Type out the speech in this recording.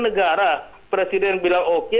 negara presiden bilang oke